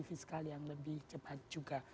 fiskal yang lebih cepat juga